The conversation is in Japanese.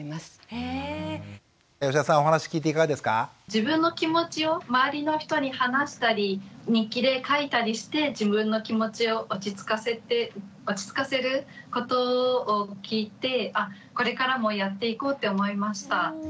自分の気持ちを周りの人に話したり日記で書いたりして自分の気持ちを落ち着かせることを聞いてあっこれからもやっていこうって思いました。